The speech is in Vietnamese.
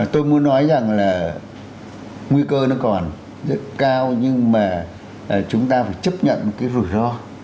tôi muốn nói rằng là nguy cơ nó còn rất cao nhưng mà chúng ta phải chấp nhận cái rủi ro